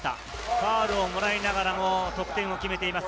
ファウルをもらいながらも得点を決めています。